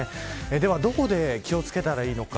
ではどこで気を付けたらいいのか。